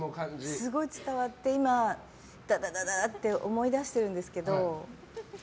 すごい伝わって今、思い出してるんですけど。